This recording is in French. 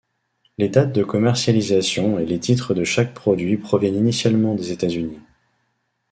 Les dates de commercialisation et les titres de chaque produit proviennent initialement des États-Unis.